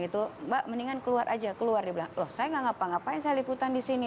itu mbak mendingan keluar aja keluar di belakang saya nggak ngapa ngapain saya liputan disini